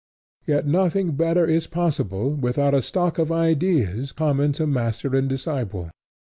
Yet nothing better is possible without a stock of ideas common to master and disciple.